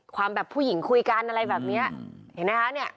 ความแบบผู้หญิงคุยกันอะไรแบบเนี้ยเห็นไหมคะเนี่ย